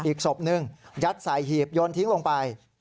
อีกศพหนึ่งยัดใส่หีบโยนทิ้งลงไป